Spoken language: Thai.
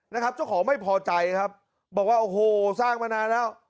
นะครับเจ้าของไม่พอใจครับบอกว่าโอ้โหสร้างมานานแล้ว